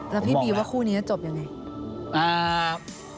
แล้วพี่บีว่าคู่นี้จะจบยังไง